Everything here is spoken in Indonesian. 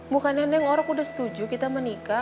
bukannya neng orok udah setuju kita menikah